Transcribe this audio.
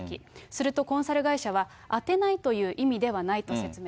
するとコンサル会社は、当てないという意味ではないと説明。